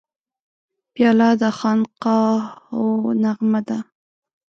پیاله د خانقاهو نغمه ده.